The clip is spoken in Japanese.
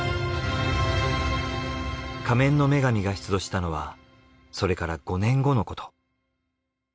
『仮面の女神』が出土したのはそれから５年後のこと。